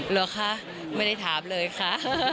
เหรอคะไม่ได้ถามเลยค่ะ